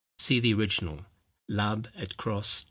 See the original, _Labb. et Coss.